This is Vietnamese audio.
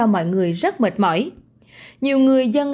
mệt mỏi nhiều người dân